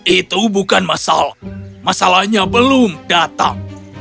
itu bukan masalah masalahnya belum datang